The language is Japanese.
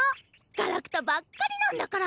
ガラクタばっかりなんだから！